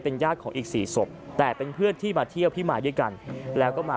ญาติของอีกสี่ศพแต่เป็นเพื่อนที่มาเที่ยวที่มาด้วยกันแล้วก็มา